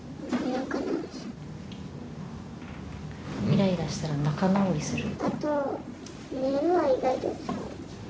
イライラしたら仲直りする。